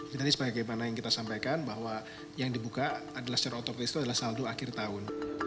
jadi tadi sebagaimana yang kita sampaikan bahwa yang dibuka adalah secara otomatis itu adalah saldo akhir tahun